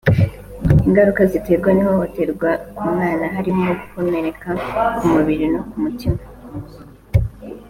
Ingaruka ziterwa n’ihohotewe ku mwana harimo gukomereka ku mubiri no ku mutima